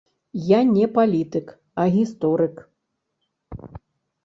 Я не палітык, а гісторык.